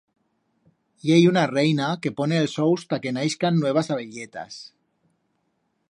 I hei una reina, que pone els ous ta que naixcan nuevas abelletas.